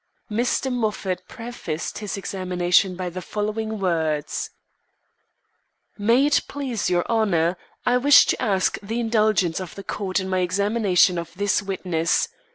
Mr. Moffat prefaced his examination by the following words: "May it please your Honour, I wish to ask the indulgence of the court in my examination of this witness.